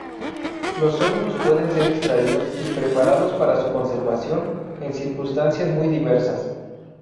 Los óvulos pueden ser extraídos y preparados para su conservación en circunstancias muy diversas.